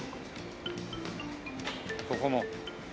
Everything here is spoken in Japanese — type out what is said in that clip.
ここも。